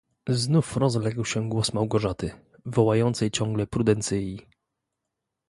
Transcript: Znów rozległ się głos Małgorzaty, wołającej ciągle Prudencyi.